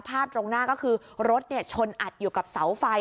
ภาพตรงหน้าก็คือรถเนี่ยชนอัดอยู่กับเสาไฟ